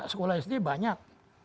sekolah sd banyak